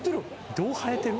「どう生えてる」？